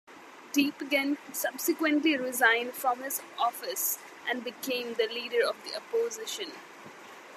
Diepgen subsequently resigned from his office and became the leader of the opposition.